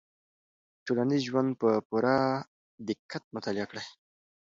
ټولنیز ژوند په پوره دقت مطالعه کړئ.